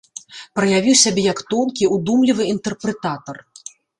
Праявіў сябе як тонкі, удумлівы інтэрпрэтатар.